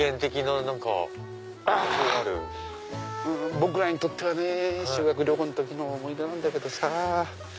僕らにとってはね修学旅行の時の思い出なんだけどさ。